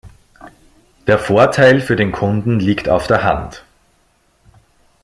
Der Vorteil für den Kunden liegt auf der Hand.